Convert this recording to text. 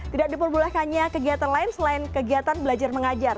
tidak diperbolehkannya kegiatan lain selain kegiatan belajar mengajar